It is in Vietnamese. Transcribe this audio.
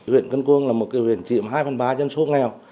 huyện cân quân là một huyện chiếm hai phần ba dân số nghèo